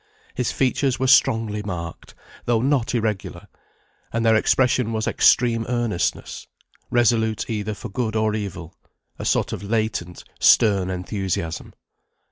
His features were strongly marked, though not irregular, and their expression was extreme earnestness; resolute either for good or evil; a sort of latent, stern enthusiasm.